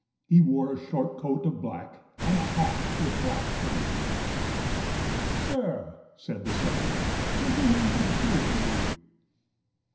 He wore a short coat of black and a hat with black fringe. " Sir," said the summoner, "greeting and good cheer to you."